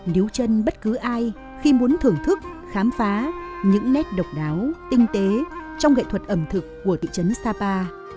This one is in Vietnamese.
nếu chân bất cứ ai khi muốn thưởng thức khám phá những nét độc đáo tinh tế trong nghệ thuật ẩm thực của thị trấn sapa